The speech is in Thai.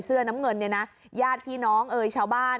เสื้อน้ำเงินเนี่ยนะญาติพี่น้องเอ่ยชาวบ้าน